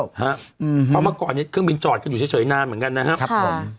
เพราะเมื่อก่อนนี้เครื่องบินจอดกันอยู่เฉยนานเหมือนกันนะครับผม